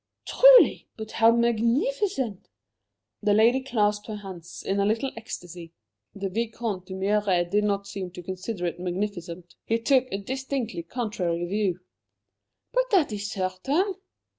"Truly! But how magnificent!" The lady clasped her hands in a little ecstacy. "The Vicomte d'Humières did not seem to consider it magnificent. He took a distinctly contrary view." "But that is certain!"